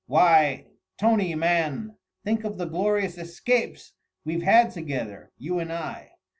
Why, Tony man! think of the glorious escapes we've had together, you and I!